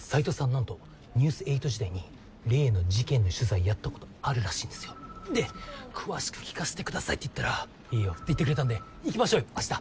なんと「ニュース８」時代に例の事件の取材やったことあるらしいんですよ。で詳しく聞かせてくださいって言ったらいいよって言ってくれたんで行きましょうよ明日。